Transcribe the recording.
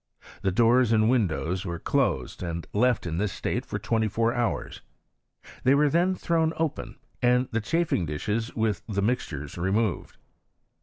The doors and windows were closed and left in this state for twenty four hours. Tliey were then thrown open, and the chafing dishes with the mixtures removed.